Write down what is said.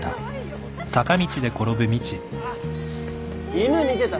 犬見てた？